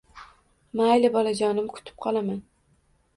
- Mayli, bolajonim, kutib qolaman.